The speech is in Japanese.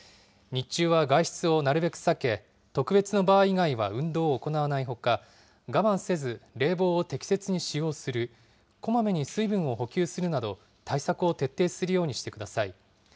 日中は外出をなるべく避け、特別な場合以外は運動を行わないほか、がまんせず、冷房を適切に使用する、こまめに水分を補給するなど、対策を徹底するようにしてください。